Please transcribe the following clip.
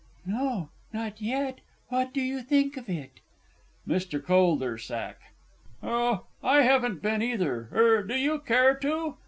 No not yet. What do you think of it? MR. C. Oh I haven't been either. Er do you care to